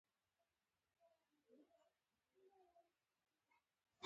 د چاپېریال ساتنه د ښاري ژوند کیفیت لوړوي.